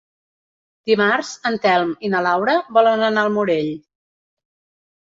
Dimarts en Telm i na Laura volen anar al Morell.